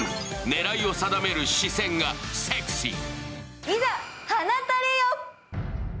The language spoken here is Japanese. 狙いを定める視線がセクシー。